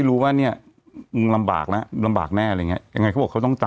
อ๋อก็บอกนี่บางอย่างลืมแน่